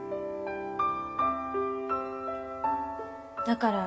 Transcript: だから。